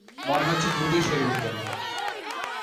মনে হচ্ছে দ্রুতই সেরে উঠবেন।